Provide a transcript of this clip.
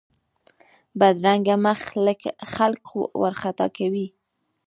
بدرنګه مخ خلک وارخطا کوي